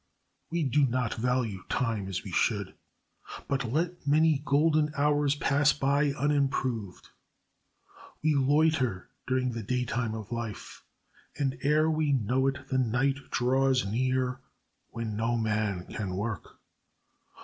We do not value time as we should, but let many golden hours pass by unimproved. We loiter during the day time of life, and ere we know it the night draws near "when no man can work."